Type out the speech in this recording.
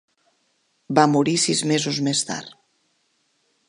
Va morir sis mesos més tard.